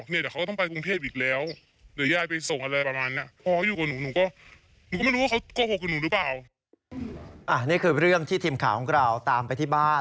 นี่คือเรื่องที่ทีมข่าวของเราตามไปที่บ้าน